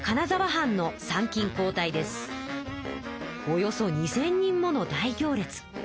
およそ２，０００人もの大行列。